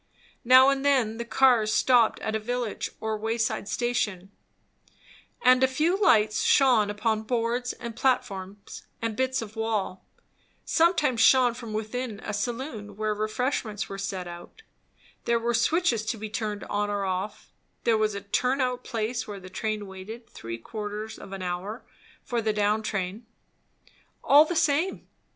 Now and then the cars stopped at a village or wayside station; and a few lights shone upon boards and platforms and bits of wall; sometimes shone from within a saloon where refreshments were set out; there were switches to be turned on or off; there was a turn out place where the train waited three quarters of an hour for the down train. All the same!